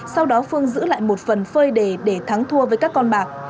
sau đó phương giữ lại một phần phơi đề để thắng thua với các con bạc